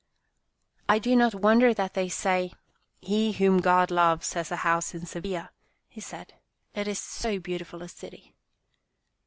" I do not wonder that they say, c He whom God loves has a house in Sevilla,' " he said. " It is so beautiful a city."